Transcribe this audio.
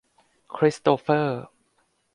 คริสโตเฟอร์